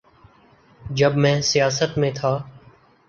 جب میں سیاست میں تھا۔